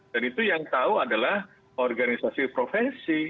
dan itu yang tahu adalah organisasi profesi